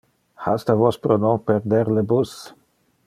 Hasta vos pro non perder le bus.